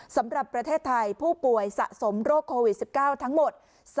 สำหรับประเทศไทยผู้ป่วยสะสมโรคโควิด๑๙ทั้งหมด